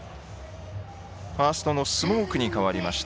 ファーストのスモークに代わりました。